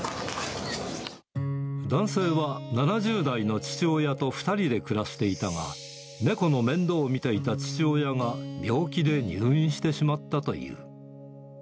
男性は７０代の父親と２人で暮らしていたが、猫の面倒を見ていた父親が病気で入院してしまったという。